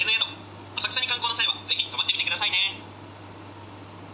浅草に観光の際はぜひ泊まってみてくださいね。